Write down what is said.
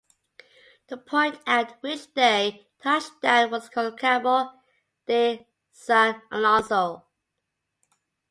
The point at which they touched down was called Cabo de San Alonso.